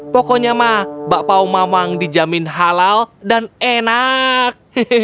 pokoknya mah bapaumamang dijamin halal dan enak